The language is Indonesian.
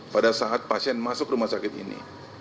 pada saat pasien masuk rumah sakit ini